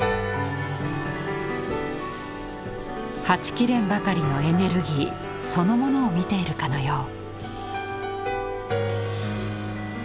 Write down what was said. はち切れんばかりのエネルギーそのものを見ているかのよう。